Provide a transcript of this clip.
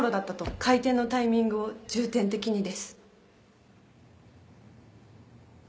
回転のタイミングを重点的にです